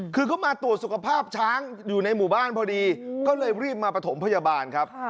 คือเขามาตรวจสุขภาพช้างอยู่ในหมู่บ้านพอดีก็เลยรีบมาประถมพยาบาลครับ